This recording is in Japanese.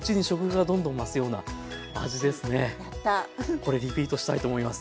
これリピートしたいと思います。